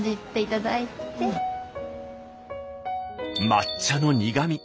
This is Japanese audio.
抹茶の苦み